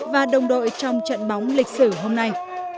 và đồng đội trong trận bóng lịch sử hôm nay